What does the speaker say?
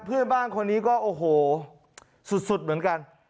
เพื่อนบ้านคนนี้ก็โอ้โหสุดเหมือนกัน